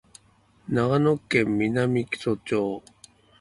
長野県南木曽町